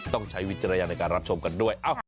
ใช้วิจารณญาณในการรับชมกันด้วย